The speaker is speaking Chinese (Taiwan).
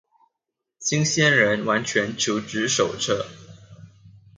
新鮮人完全求職手冊